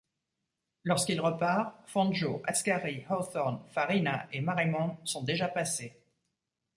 Lorsqu'il repart, Fangio, Ascari, Hawthorn, Farina et Marimon sont déjà passés.